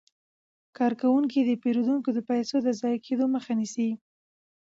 کارکوونکي د پیرودونکو د پيسو د ضایع کیدو مخه نیسي.